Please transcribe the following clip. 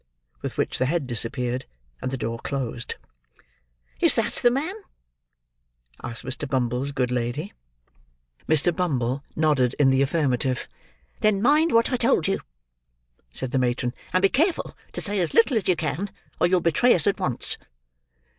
With which the head disappeared, and the door closed. "Is that the man?" asked Mr. Bumble's good lady. Mr. Bumble nodded in the affirmative. "Then, mind what I told you," said the matron: "and be careful to say as little as you can, or you'll betray us at once."